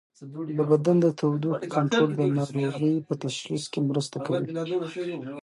د بدن د تودوخې کنټرول د ناروغۍ په تشخیص کې مرسته کوي.